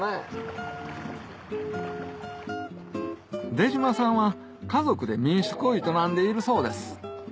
出嶋さんは家族で民宿を営んでいるそうです